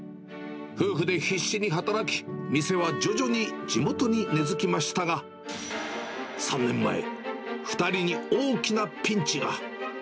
夫婦で必死に働き、店は徐々に地元に根づきましたが、３年前、２人に大きなピンチが。